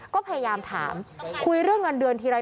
ก็พยายามถามคุยเรื่องเงินเดือนทีไร